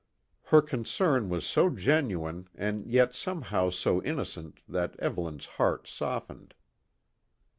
Her concern was so genuine and yet somehow so innocent that Evelyn's heart softened.